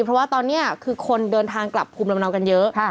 เพราะว่าตอนนี้คือคนเดินทางกลับภูมิลำเนากันเยอะ